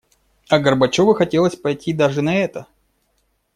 А Горбачёву хотелось пойти даже на это.